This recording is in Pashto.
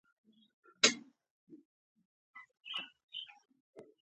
د ګشنیزو وچول څنګه دي؟